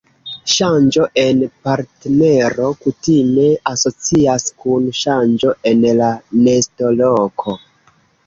Ŝanĝo en partnero kutime asocias kun ŝanĝo en la nestoloko.